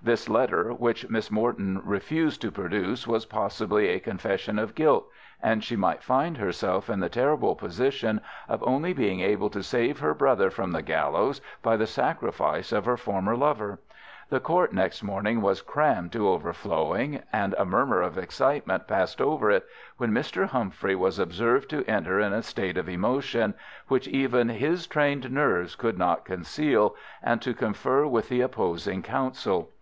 This letter which Miss Morton refused to produce was possibly a confession of guilt, and she might find herself in the terrible position of only being able to save her brother from the gallows by the sacrifice of her former lover. The court next morning was crammed to overflowing, and a murmur of excitement passed over it when Mr. Humphrey was observed to enter in a state of emotion, which even his trained nerves could not conceal, and to confer with the opposing counsel.